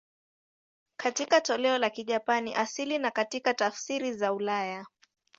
Katika toleo la Kijapani asili na katika tafsiri za ulaya.